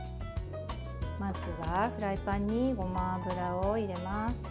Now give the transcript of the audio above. まずは、フライパンにごま油を入れます。